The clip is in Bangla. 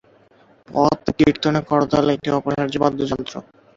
পথ-কীর্তনে করতাল একটি অপরিহার্য বাদ্যযন্ত্র।